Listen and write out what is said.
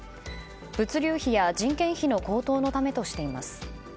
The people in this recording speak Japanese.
物流費や人件費の高騰のためとしています。